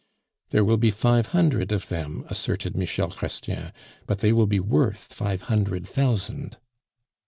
"There will be five hundred of them," asserted Michel Chrestien, "but they will be worth five hundred thousand."